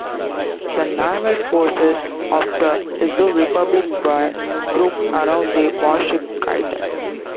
The naval forces of the Ezo Republic were grouped around the warship "Kaiten".